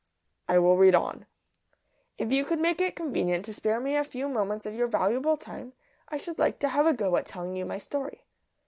"I will read on: 'If you could make it convenient to spare me a few moments of your valuable time I should like to have a go at telling you my story.